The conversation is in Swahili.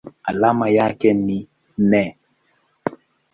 Alama yake ni Ne.